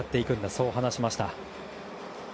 そう話しました。